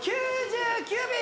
９９秒。